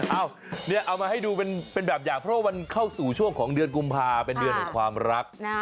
เอามาให้ดูเป็นแบบอย่างเพราะว่ามันเข้าสู่ช่วงของเดือนกุมภาเป็นเดือนแห่งความรัก